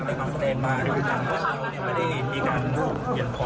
แต่เราไม่ได้กังวลใจไรเลยใช่มั้ยคะ